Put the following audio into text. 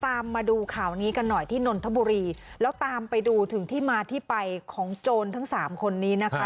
มาดูข่าวนี้กันหน่อยที่นนทบุรีแล้วตามไปดูถึงที่มาที่ไปของโจรทั้งสามคนนี้นะคะ